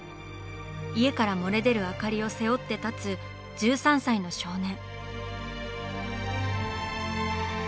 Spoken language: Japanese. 家から漏れ出る明かりを背負って立つ１３歳の少年。